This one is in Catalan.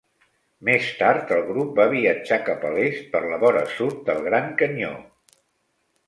Més tard, el grup va viatjar cap a l'est per la vora sud del Gran Canyó.